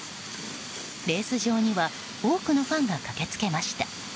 レース場には多くのファンが駆けつけました。